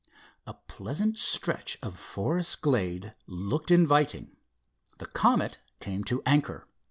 A pleasant stretch of forest glade looked inviting. The Comet came to anchor.